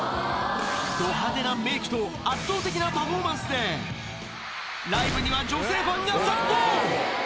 ど派手なメークと圧倒的なパフォーマンスで、ライブには女性ファンが殺到。